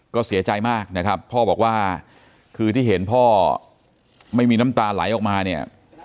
ก็เสียใจมากนะครับพ่อบอกว่าคือที่เห็นพ่อไม่มีน้ำตาไหลออกมาเนี่ย